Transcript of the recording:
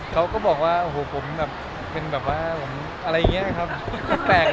เค้าก็บอกว่าผมแบบเป็นอะไรอย่างนี้ครับแปลก